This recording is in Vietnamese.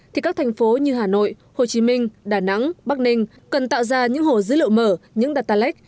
thì các thành phố như hà nội hồ chí minh đà nẵng bắc ninh cần tạo ra những hồ dữ liệu mở những datax